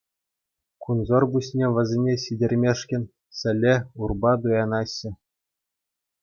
Кунсӑр пуҫне вӗсене ҫитермешкӗн сӗлӗ, урпа туянаҫҫӗ.